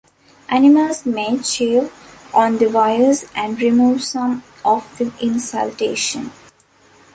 Animals may chew on the wires and remove some of the insulation.